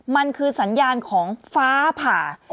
มันคือสัญญาณของฟ้าผ่า